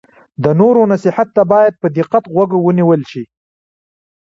د نورو نصیحت ته باید په دقت غوږ ونیول شي.